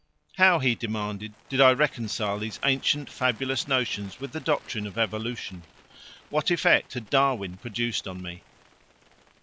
How, he demanded, did I reconcile these ancient fabulous notions with the doctrine of evolution? What effect had Darwin produced on me?